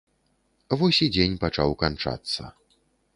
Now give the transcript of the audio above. Вось і дзень пачаў канчацца.